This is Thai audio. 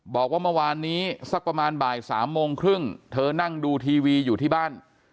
บอกว่าเมื่อวานนี้สักประมาณบ่าย๓โมงครึ่งเธอนั่งดูทีวีอยู่ที่บ้าน